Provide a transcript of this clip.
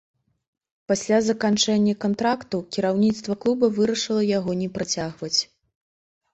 Пасля заканчэння кантракту, кіраўніцтва клуба вырашыла яго не працягваць.